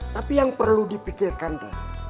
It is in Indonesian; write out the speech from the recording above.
tapi yang perlu dipikirkan deh